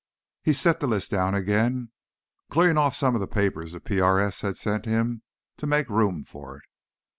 He set the list down again, clearing off some of the papers the PRS had sent him to make room for it.